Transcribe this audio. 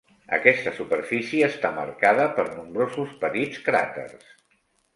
Aquesta superfície està marcada per nombrosos petits cràters.